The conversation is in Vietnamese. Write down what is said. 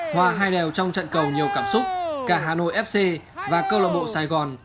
hoa hai đèo trong trận cầu nhiều cảm xúc cả hà nội fc và câu lạc bộ sài gòn